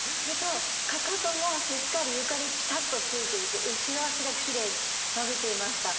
かかともしっかり床にぴたっとついていて後ろ足がきれいに伸びていました。